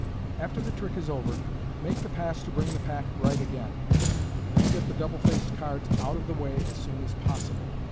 After the trick is over, make the pass to bring the pack right again, and then get the double faced cards out of the way as soon as possible.